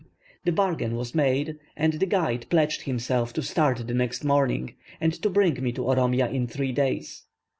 The bargain was made, and the guide pledged himself to start the next morning, and to bring me to Oromia in three days.